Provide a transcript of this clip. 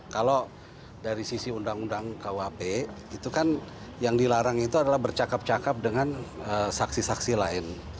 kalau dari sisi undang undang kuhp itu kan yang dilarang itu adalah bercakap cakap dengan saksi saksi lain